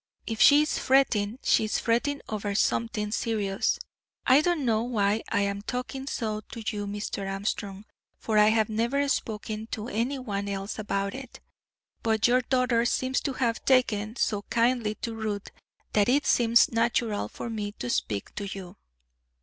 If she is fretting, she is fretting over something serious. I don't know why I am talking so to you, Mr. Armstrong, for I have never spoken to any one else about it; but your daughter seems to have taken so kindly to Ruth that it seems natural for me to speak to you."